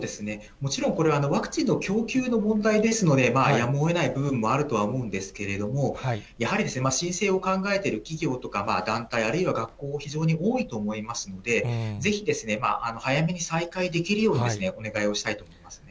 もちろんこれ、ワクチンの供給の問題ですので、やむをえない部分もあるとは思うんですけれども、やはり申請を考えている企業とか団体、あるいは学校も非常に多いと思いますので、ぜひ、早めに再開できるようにお願いをしたいと思いますね。